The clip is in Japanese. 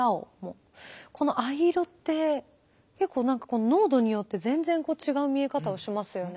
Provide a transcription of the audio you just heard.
この藍色って結構何か濃度によって全然違う見え方をしますよね。